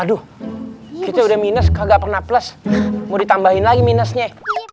aduh kita udah minus gak pernah plus mau ditambahin lagi minusnya